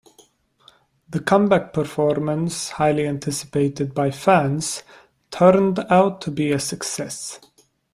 The comeback performance, highly anticipated by fans, turned out to be a success.